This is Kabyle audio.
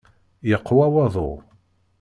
Yeqwa waḍu.